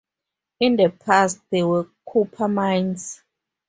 In the past there were copper mines.